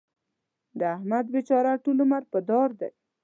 د احمد بېچاره ټول عمر په دار دی.